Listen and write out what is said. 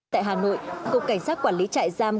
tại hà nội cục cảnh sát quản lý trại giam